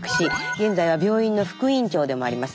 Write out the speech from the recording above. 現在は病院の副院長でもあります。